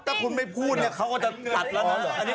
ถ้าคุณไม่พูดเขาก็จะตัดแล้วนะ